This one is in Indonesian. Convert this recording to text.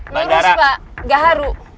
lurus pak gaharu